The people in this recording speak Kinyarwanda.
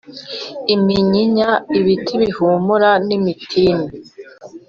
iminyinya, ibiti bihumura n’imitini;